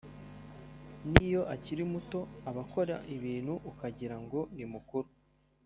niyo akiri muto aba akora ibintu ukagira ngo ni mukuru